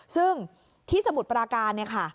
ซึ่งที่สมุทรปราการเนี่ยค่ะ